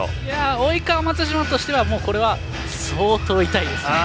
及川、松島としてはこれは相当、痛いですね。